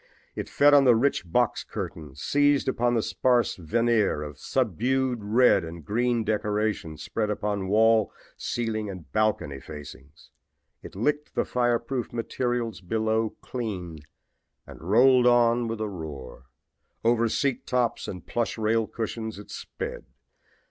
It fed on the rich box curtains, seized upon the sparse veneer of subdued red and green decorations spread upon wall, ceiling and balcony facings. It licked the fireproof materials below clean and rolled on with a roar. Over seat tops and plush rail cushions it sped.